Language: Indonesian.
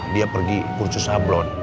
dia pergi kursus sablon